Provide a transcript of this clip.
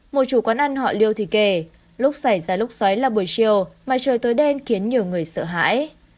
một chủ quán ăn họ liêu thì kể lốc xoáy ra lốc xoáy là buổi chiều mà trời tối đen khiến nhiều người sợ hãi